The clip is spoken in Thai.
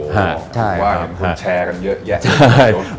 ว่าเห็นคุณแชร์กันเยอะแยะ